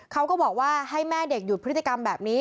เขาก็บอกว่าให้แม่เด็กหยุดพฤติกรรมแบบนี้